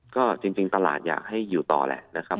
ก็จริงตลาดอยากให้อยู่ต่อแหละนะครับ